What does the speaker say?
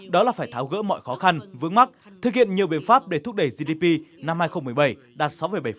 đó là phải tháo gỡ mọi khó khăn vướng mắt thực hiện nhiều biện pháp để thúc đẩy gdp năm hai nghìn một mươi bảy đạt sáu bảy